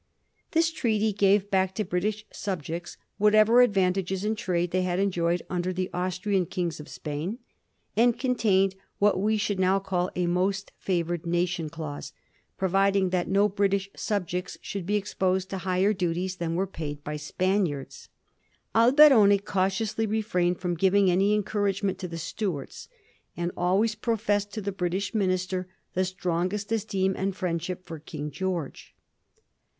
This treaty gave back to British subjects whatever advantages in trade they had enjoyed under the Austrian kings of Spain, and contained what we should now call a most favoured nation clause, providing that no British subjects should be exposed to higher duties than were paid by Spaniards. Alberoni cautiously refirained firom giving any encouragement to the Stuarts, and al ways professed to the British minister the strongest esteem and friendship for King George.